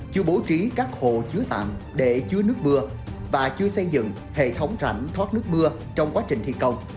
chưa bố trí các hồ chứa tạm để chứa nước mưa và chưa xây dựng hệ thống rãnh thoát nước mưa trong quá trình thi công